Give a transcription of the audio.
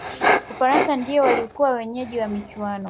ufaransa ndiyo waliyokuwa waenyeji wa michuano